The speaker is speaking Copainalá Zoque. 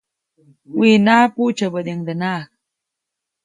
Wiʼnaʼa, puʼtsyäbädiʼuŋdenaʼajk.